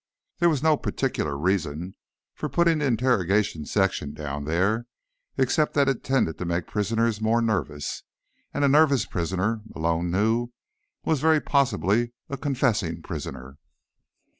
There was no particular reason for putting the interrogation section down there, except that it tended to make prisoners more nervous. And a nervous prisoner, Malone knew, was very possibly a confessing prisoner.